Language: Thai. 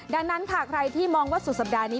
ดังนั้นค่ะใครที่มองว่าสุดสัปดาห์นี้